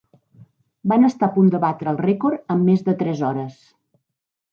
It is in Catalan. Van estar a punt de batre el rècord en més de tres hores.